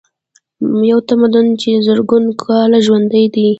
یو تمدن چې زرګونه کاله ژوندی دی.